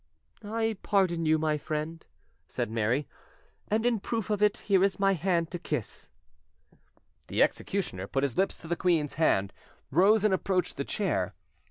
"I pardon you, my friend," said Mary, "and in proof of it, here is my hand to kiss." The executioner put his lips to the queen's hand, rose and approached the chair.